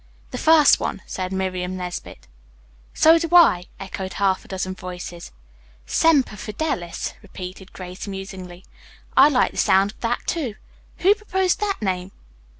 "The first one," said Miriam Nesbit. "So do I," echoed half a dozen voices. "'Semper Fidelis,'" repeated Grace musingly. "I like the sound of that, too. Who proposed that name?"